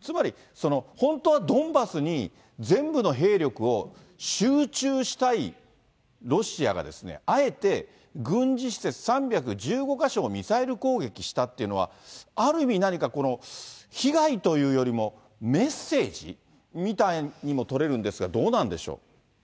つまり、本当はドンバスに全部の兵力を集中したいロシアが、あえて軍事施設３１５か所をミサイル攻撃したっていうのは、ある意味何かこの被害というよりも、メッセージみたいにも取れるんですが、どうなんでしょう。